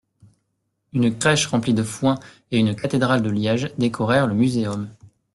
Une crèche remplie de foin et une cathédrale de liège décorèrent le muséum.